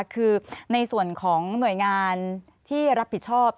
คือในส่วนของหน่วยงานที่รับผิดชอบ